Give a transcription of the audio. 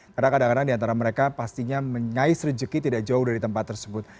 karena kadang kadang diantara mereka pastinya menyais rejeki tidak jauh dari tempat tersebut